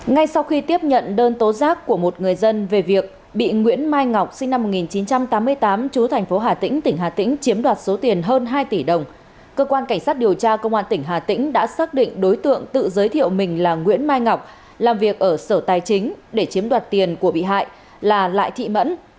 ngay sau khi tiếp nhận đơn tố giác của một người dân về việc bị nguyễn mai ngọc sinh năm một nghìn chín trăm tám mươi tám chú thành phố hà tĩnh tỉnh hà tĩnh chiếm đoạt số tiền hơn hai tỷ đồng cơ quan cảnh sát điều tra công an tỉnh hà tĩnh đã xác định đối tượng tự giới thiệu mình là nguyễn mai ngọc làm việc ở sở tài chính để chiếm đoạt tiền của bị hại là lại thị mẫn